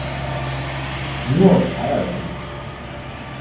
尼沃凯尔肯。